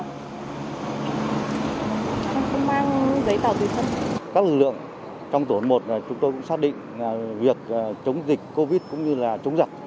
các lực lượng trong tổn một chúng tôi cũng xác định là việc chống dịch covid cũng như là chống giặc